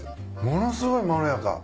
ものすごいまろやか。